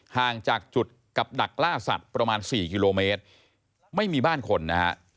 ห่างจากจุดกับดักล่าสัตว์ประมาณ๔กิโลเมตรไม่มีบ้านคนนะฮะ